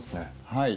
はい。